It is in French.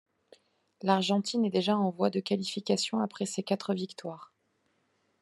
L'Argentine est déjà en voie de qualification après ses quatre victoires.